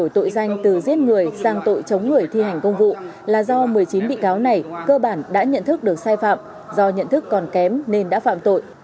trong một mươi chín bị cáo này cơ bản đã nhận thức được sai phạm do nhận thức còn kém nên đã phạm tội